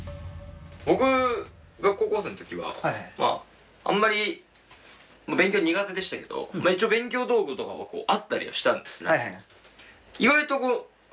僕が高校生ん時はまああんまり勉強苦手でしたけど一応勉強道具とかはあったりはしたんですね。